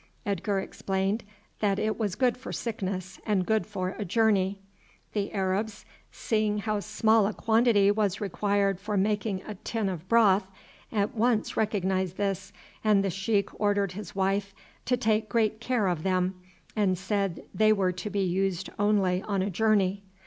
Edgar explained that it was good for sickness, and good for a journey. The Arabs, seeing how small a quantity was required for making a tin of broth, at once recognized this, and the sheik ordered his wife to take great care of them, and said they were to be used only on a journey.